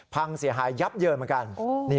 พังเสียหายยับเยินเหมือนกัน